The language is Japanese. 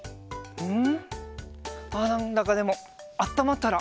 うん。